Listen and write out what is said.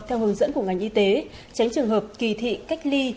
theo hướng dẫn của ngành y tế tránh trường hợp kỳ thị cách ly